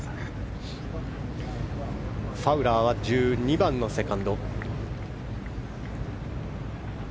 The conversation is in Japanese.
ファウラーは１２番のセカンド。